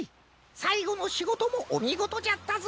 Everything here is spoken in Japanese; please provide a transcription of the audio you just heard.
さいごのしごともおみごとじゃったぞ。